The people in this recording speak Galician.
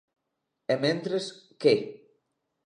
E mentres ¿que?